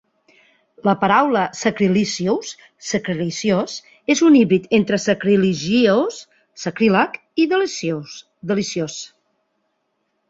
La paraula "sacrilicious" ("sacriliciós") és un híbrid entre sacrilegious (sacríleg) i delicious (deliciós).